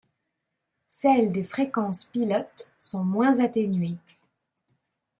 Celles des fréquences pilotes sont moins atténuées.